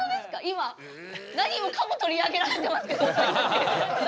今何もかも取り上げられてますけど私たち。